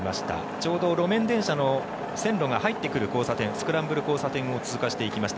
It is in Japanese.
ちょうど路面電車の線路が入ってくる交差点スクランブル交差点を通過していきました。